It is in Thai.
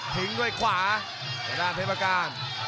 ทิ้งด้วยขวาทางด้านเพชรประการ